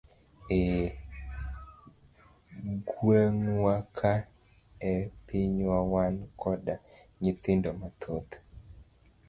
E gwengwa ka e pinywa wan koda nyithindo mathoth.